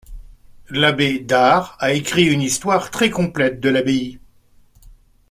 L'abbé Dard a écrit une histoire très complète de l'abbaye.